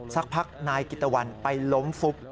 สักพักนายกิตตะวันไปล้มฟุบ